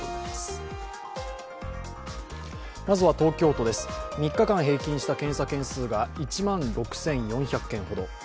まずは東京都です、３日間平均した検査件数が１万６４００件ほど。